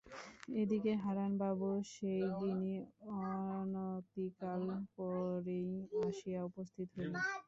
এ দিকে হারানবাবুও সেই দিনই অনতিকাল পরেই আসিয়া উপস্থিত হইলেন।